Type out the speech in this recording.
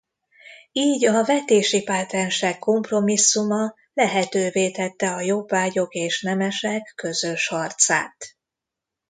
Így a vetési pátensek kompromisszuma lehetővé tette a jobbágyok és nemesek közös harcát.